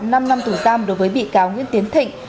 năm năm tù giam đối với bị cáo nguyễn tiến thịnh